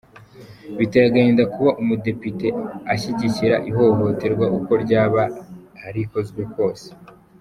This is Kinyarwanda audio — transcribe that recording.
Biteye agahinda kuba umudepite ashyigikira ihohoterwa uko ryaba rikozwe kose.